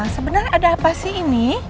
sebenarnya ada apa sih ini